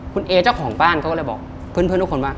คุณเอเจ้าของบ้านเขาก็เลยบอกเพื่อนทุกคนว่า